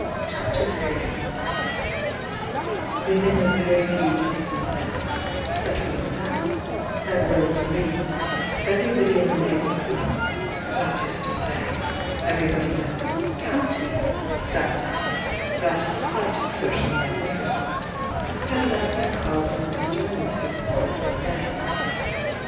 CHAPTER III Within a very few days of their "gettling down" at Rose Lea, everybody in the neighbourhood,— that 18 to say, everybody of "county" standing— that height of social magnificence— had left their cards on Mr. and Mrs. Polydore May.